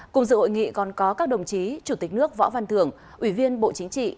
cùng dự hội nghị còn có các đồng chí chủ tịch nước võ văn thưởng ủy viên bộ chính trị